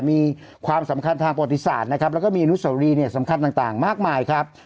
มีความสำคัญทางประวัติศาสตร์นะครับแล้วก็มีอนุสวรีเนี่ยสำคัญต่างมากมายครับ